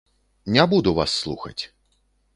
Не буду вас слухаць.